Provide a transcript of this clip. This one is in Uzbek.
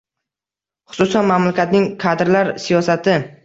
Xususan, mamlakatning kadrlar siyosati!